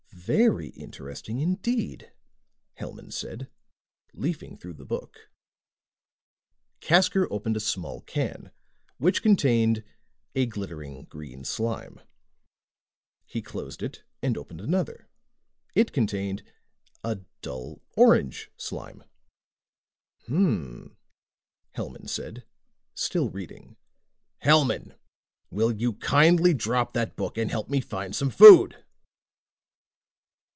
"Very interesting indeed," Hellman said, leafing through the book. Casker opened a small can, which contained a glittering green slime. He closed it and opened another. It contained a dull orange slime. "Hmm," Hellman said, still reading. "Hellman! Will you kindly drop that book and help me find some food?"